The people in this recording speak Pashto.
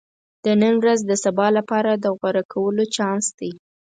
• د نن ورځ د سبا لپاره د غوره کولو چانس دی.